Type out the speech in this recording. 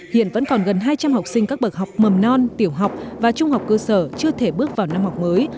hiện vẫn còn gần hai trăm linh học sinh các bậc học mầm non tiểu học và trung học cơ sở chưa thể bước vào năm học mới